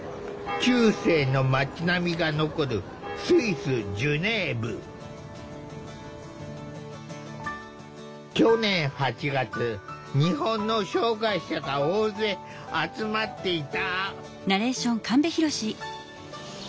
中世の町並みが残る去年８月日本の障害者が大勢集まっていた。